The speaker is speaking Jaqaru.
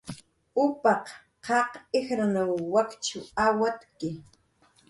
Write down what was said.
Upaq qaq ijrnaw wakch awatki